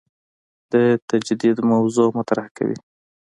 د تجدید موضوع مطرح کوي.